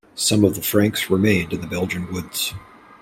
Some of the Franks remained in the Belgian woods.